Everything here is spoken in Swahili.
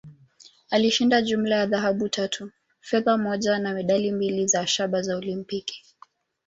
Alishinda jumla ya dhahabu tatu, fedha moja, na medali mbili za shaba za Olimpiki.